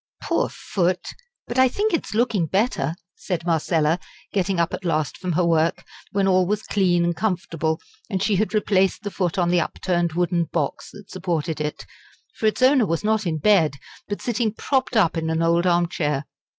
"Poor foot! but I think it is looking better," said Marcella, getting up at last from her work, when all was clean and comfortable and she had replaced the foot on the upturned wooden box that supported it for its owner was not in bed, but sitting propped up in an old armchair.